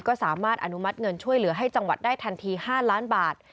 ก็สามารถอนุมัติเงินช่วยเหลือให้จังหวัดได้ทันที๕ล้านบาท